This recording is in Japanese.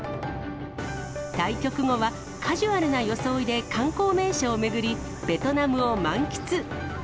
対局後はカジュアルな装いで観光名所を巡り、ベトナムを満喫。